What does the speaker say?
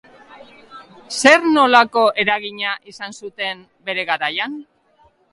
Zer-nolako eragina izan zuten bere garaian?